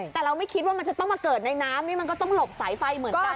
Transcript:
แต่เราไม่คิดว่ามันจะต้องมาเกิดในน้ำนี่มันก็ต้องหลบสายไฟเหมือนกัน